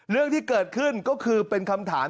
เรื่องที่เกิดขึ้นก็คือเป็นคำถาม